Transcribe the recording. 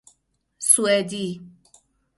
سوئدی